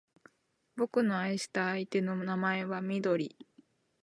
俺の愛した相手の名前はみどり